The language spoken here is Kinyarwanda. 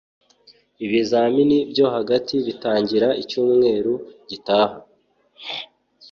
Ibizamini byo hagati bitangira icyumweru gitaha